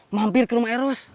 mampir ke rumah eros